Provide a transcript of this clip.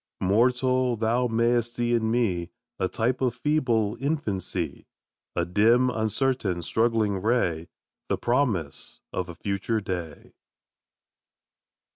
Mortal! thou mayst see in me A type of feeble infancy, A dim, uncertain, struggling ray, The promise of a future day!